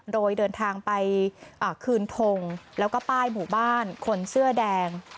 โดยเดินทางไปคืนทงแล้วก็ป้ายหมู่บ้านคนเสื้อแดง